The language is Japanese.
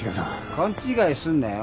勘違いすんなよ。